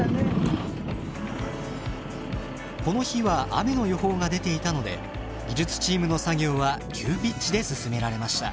この日は雨の予報が出ていたので技術チームの作業は急ピッチで進められました。